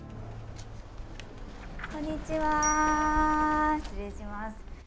こんにちは、失礼します。